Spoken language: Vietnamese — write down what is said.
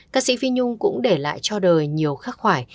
ca sĩ phi nhung cũng để lại cho đời nhiều khắc khoải